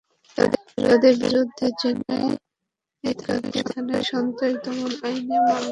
তাঁদের বিরুদ্ধে ঝিনাইগাতী থানায় সন্ত্রাস দমন আইনে মামলা দায়েরের প্রস্তুতি চলছে।